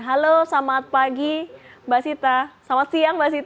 halo selamat pagi mbak sita selamat siang mbak sita